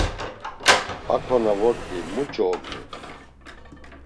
Hako na vort̆i muç̌o ogni?